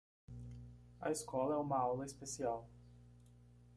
A escola é uma aula especial